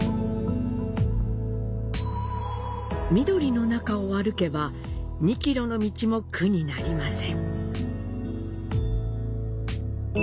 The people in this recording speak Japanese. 緑の中を歩けば、２ｋｍの道も苦になりません。